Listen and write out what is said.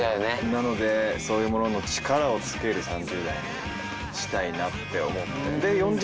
なのでそういうものの力をつける３０代にしたいなって思って。